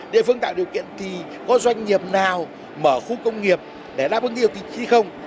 địa phương tạo điều kiện thì có doanh nghiệp nào mở khu công nghiệp để đáp ứng nhiều thì không